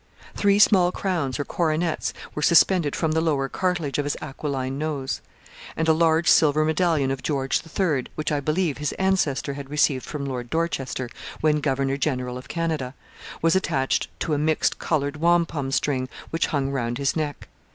Three small crowns or coronets were suspended from the lower cartilage of his aquiline nose, and a large silver medallion of George the Third, which I believe his ancestor had received from Lord Dorchester when governor general of Canada, was attached to a mixed coloured wampum string which hung round his neck.